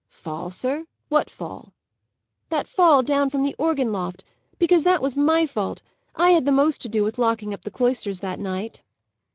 "Fall, sir! What fall?" "That fall down from the organ loft. Because that was my fault. I had the most to do with locking up the cloisters, that night."